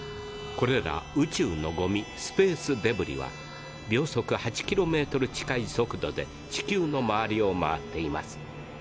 これら宇宙のゴミスペースデブリは秒速８キロメートル近い速度で地球の周りを回っています。